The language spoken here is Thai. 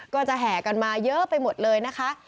ก็จะแห่กันมาเยอะไปหมดเลยนะคะ